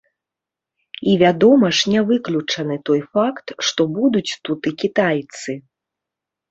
І, вядома ж, не выключаны той факт, што будуць тут і кітайцы.